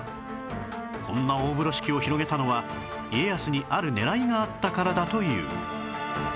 こんな大風呂敷を広げたのは家康にある狙いがあったからだという